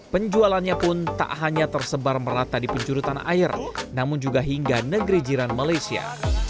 penjualannya pun tak hanya tersebar merata di penjuru tanah air namun juga hingga negeri jiran malaysia